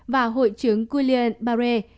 và hội chứng guillain barre